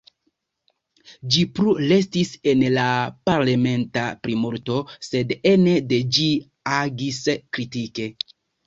Ĝi plu restis en la parlamenta plimulto, sed ene de ĝi agis kritike.